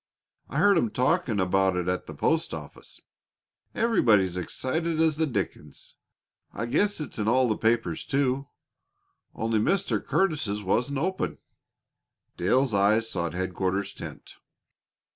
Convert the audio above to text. I heard 'em talking about it at the post office. Everybody's as excited as the dickens. I guess it's in all the papers, too, only Mr. Curtis's wasn't open." Dale's eyes sought headquarters tent.